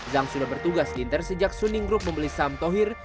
zhang sudah bertugas di inter sejak suning group membeli saham tohir